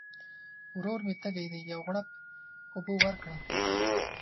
ورور مي تږی دی ، یو غوړپ اوبه ورکړه !